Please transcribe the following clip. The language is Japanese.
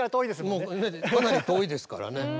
もうかなり遠いですからね。